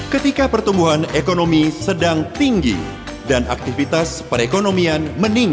ketika pertumbuhan ekonomi sedang tinggi dan aktivitas perekonomian meningkat